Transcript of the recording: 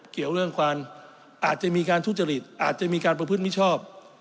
เกี่ยวเรื่องความอาจจะมีการทุจริตอาจจะมีการประพฤติมิชชอบ